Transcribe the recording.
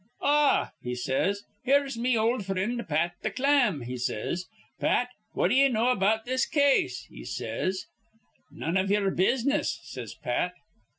'Ah!' he says. 'Here's me ol' frind Pat th' Clam,' he says. 'Pat, what d'ye know about this case?' he says. 'None iv ye'er business,' says Pat.